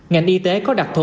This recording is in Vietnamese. ngành y tế có đặc thù